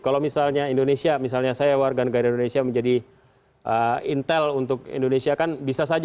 kalau misalnya indonesia misalnya saya warga negara indonesia menjadi intel untuk indonesia kan bisa saja